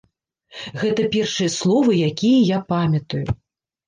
Гэта першыя словы, якія я памятаю.